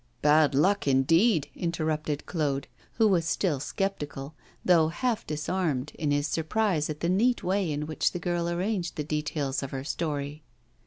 'Bad luck, indeed,' interrupted Claude, who was still sceptical, though half disarmed, in his surprise at the neat way in which the girl arranged the details of her story.